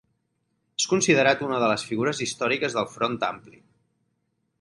És considerat una de les figures històriques del Front Ampli.